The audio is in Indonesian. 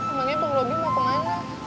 emangnya pak logi mau ke mana